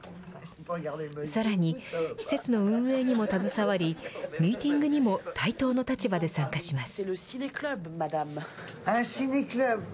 さらに、施設の運営にも携わり、ミーティングにも対等の立場で参加します。